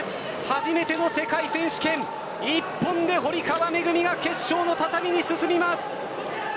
初めての世界選手権一本で堀川恵が決勝の畳に進みます。